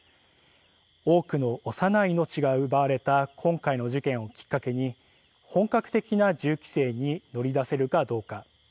多くの幼い命が奪われた今回の事件をきっかけに本格的な銃規制に乗り出せるかどうか。